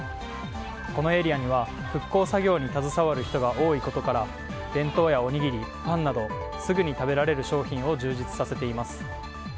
このエリアには復興作業に携わる人が多いことから弁当やおにぎり、パンなどすぐに食べられる商品を充実させています。